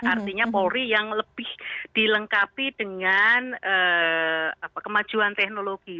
artinya polri yang lebih dilengkapi dengan kemajuan teknologi